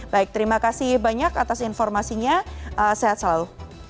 baik terima kasih banyak atas informasinya sehat selalu